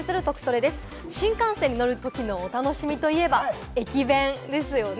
新幹線に乗るときのお楽しみといえば駅弁ですよね。